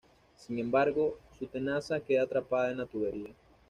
Sin embargo, su tenaza queda atrapada en la tubería.